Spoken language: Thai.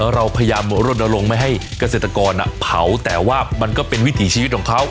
เราพยายามรณรงค์ไม่ให้เกษตรกรเผาแต่ว่ามันก็เป็นวิถีชีวิตของเขา